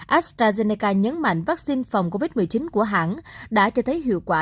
astrazeneca nhấn mạnh vaccine phòng covid một mươi chín của hãng đã cho thấy hiệu quả